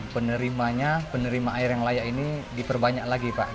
penerimanya penerima air yang layak ini diperbanyak lagi pak